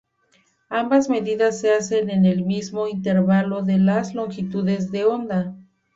Ambas medidas se hacen en el mismo intervalo de las longitudes de onda.